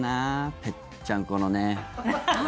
ぺっちゃんこのね。